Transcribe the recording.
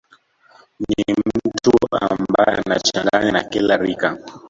Ni mtu ambaye anajichanganya na kila rika